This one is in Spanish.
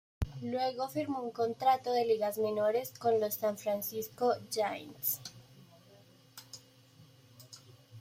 Luego firmó un contrato de ligas menores con los San Francisco Giants.